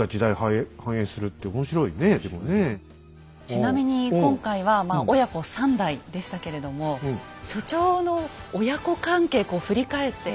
ちなみに今回は親子３代でしたけれども所長の親子関係こう振り返って。